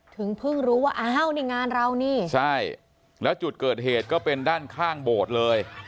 ถึงเพิ่งรู้ว่าอ้าวนี่งานเรานี่ใช่แล้วจุดเกิดเหตุก็เป็นด้านข้างโบสถ์เลย